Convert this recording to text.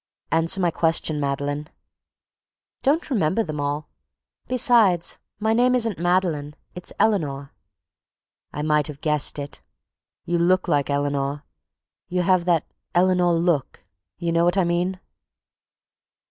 "Answer my question, Madeline." "Don't remember them all—besides my name isn't Madeline, it's Eleanor." "I might have guessed it. You look like Eleanor—you have that Eleanor look. You know what I mean."